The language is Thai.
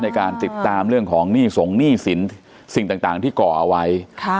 ในการติดตามเรื่องของหนี้สงหนี้สินสิ่งต่างที่ก่อเอาไว้